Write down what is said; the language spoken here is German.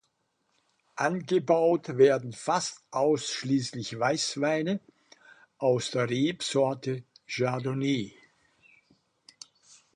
Angebaut werden fast ausschließlich Weißweine aus der Rebsorte Chardonnay.